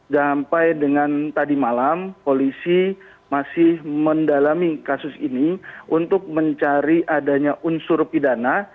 sampai dengan tadi malam polisi masih mendalami kasus ini untuk mencari adanya unsur pidana